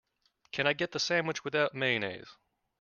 Can I get the sandwich without mayonnaise?